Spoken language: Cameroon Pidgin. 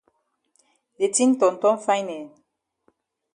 De tin ton ton fine eh.